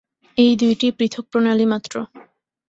এই দুইটি পৃথক প্রণালী মাত্র।